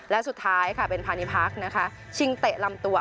และสุดท้ายค่ะเป็นพาณิพักษ์นะคะชิงเตะลำตัว